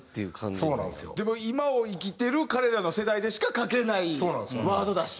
でも今を生きてる彼らの世代でしか書けないワードだし。